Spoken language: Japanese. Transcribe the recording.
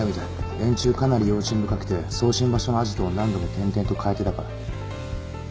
連中かなり用心深くて送信場所のアジトを何度も転々と変えてたから。